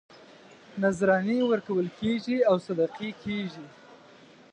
نذرانې ورکول کېږي او صدقې کېږي.